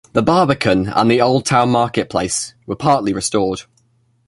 The Barbican and the Old Town Market Place were partly restored.